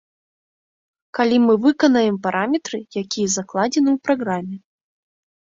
Калі мы выканаем параметры, якія закладзены ў праграме.